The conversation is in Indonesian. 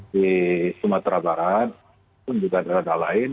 di sumatera barat pun juga di rada lain